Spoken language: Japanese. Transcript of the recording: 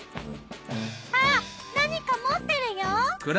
あっ何か持ってるよ。